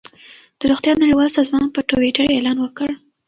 د روغتیا نړیوال سازمان په ټویټر اعلان وکړ.